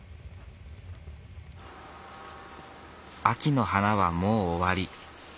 秋の花はもう終わり。